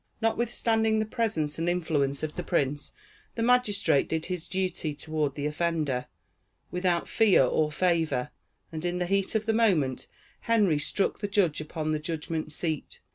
Notwithstanding the presence and influence of the prince, the magistrate did his duty toward the offender, without fear or favor, and in the heat of the moment, Henry struck the judge upon the judgment seat.